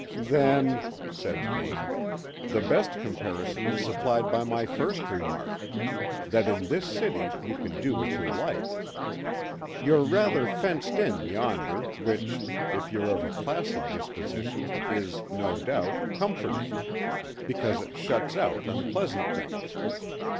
"Then," said Vane, "the best comparison is supplied by my first remark that in this city you can do what you like. You're rather fenced in yonder, which, if you're of a placid disposition, is, no doubt, comforting, because it shuts out unpleasant things.